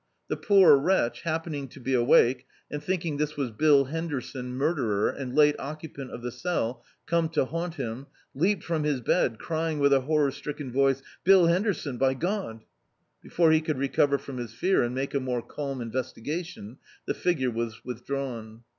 The poor wretch, happening to be awake, and thinking this was Bill Henderson, murderer, and late occupant of the cell, come to haunt him, leaped from his bed, crying with a hor ror^tricken voice — "Bill Henderson, by God I" Be fore he could recover from his fear and make a more calm investigation, the figure was withdrawn.